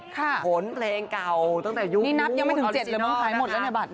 ขนเพลงเก่าตั้งแต่ยุ่งออลิสินออก